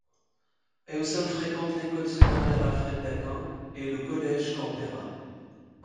Hewson fréquente l'école secondaire Alfred Deakin et le collège Canberra.